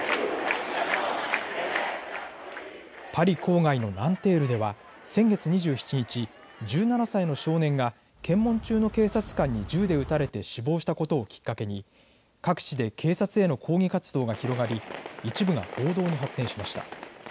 パリ郊外のナンテールでは先月２７日１７歳の少年が検問中の警察官に銃で撃たれて死亡したことをきっかけに各地で警察への抗議活動が広がり一部が暴動に発展しました。